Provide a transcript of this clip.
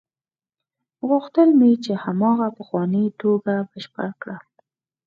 غوښتل مې چې هماغه پخوانۍ ټوکه بشپړه کړم.